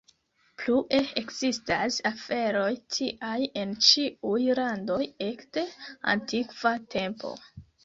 Plue ekzistas aferoj tiaj en ĉiuj landoj ekde antikva tempo.